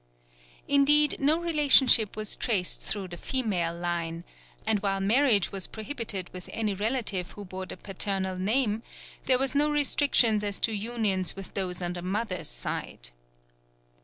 Indeed no relationship was traced through the female line; and while marriage was prohibited with any relative who bore the paternal name, there were no restrictions as to unions with those on the mother's side.